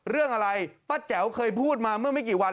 เรื่องอะไรป้าแจ๋วเคยพูดมาเมื่อไม่กี่วัน